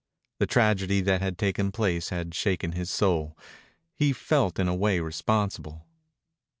The tragedy that had taken place had shaken his soul. He felt in a way responsible.